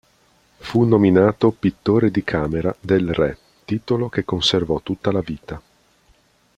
Fu nominato "Pittore di camera" del re, titolo che conservò tutta la vita.